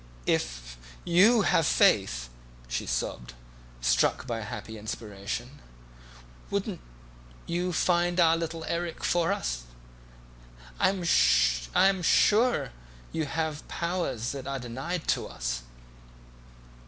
"If you have faith," she sobbed, struck by a happy inspiration, "won't you find our little Erik for us? I am sure you have powers that are denied to us."